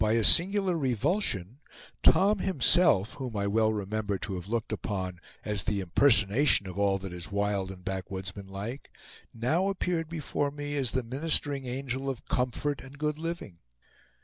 By a singular revulsion, Tom himself, whom I well remember to have looked upon as the impersonation of all that is wild and backwoodsman like, now appeared before me as the ministering angel of comfort and good living.